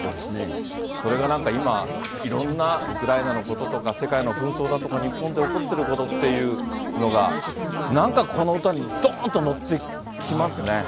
それがなんか今、いろんなウクライナのこととか世界の紛争だとか、日本で起こってることっていうのが、なんかこの歌にどーんと乗ってきますね。